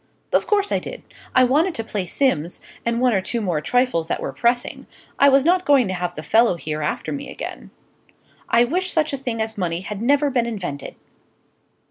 "Of course I did. I wanted to pay Simms, and one or two more trifles that were pressing; I was not going to have the fellow here after me again. I wish such a thing as money had never been invented!"